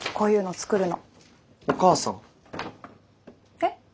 えっ？